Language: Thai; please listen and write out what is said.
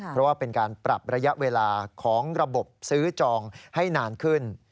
เพราะว่าเป็นการปรับระยะเวลาของระบบซื้อจองให้นานขึ้น